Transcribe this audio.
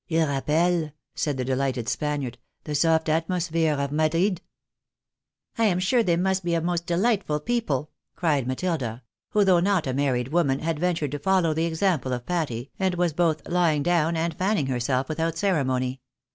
" II rappelle," said the deUghted Spaniard, " the soft atmosphere of Madrid." "I am sure they must be a most deUghtful people," cried Matilda, who, though not a married woman, had ventured to follow the example of Patty, and was both lying down and fanning herself without ceremony.